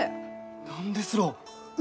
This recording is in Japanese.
何ですろう？